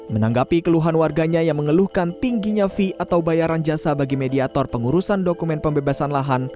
menanggapi keluhan warganya yang mengeluhkan tingginya fee atau bayaran jasa bagi mediator pengurusan dokumen pembebasan lahan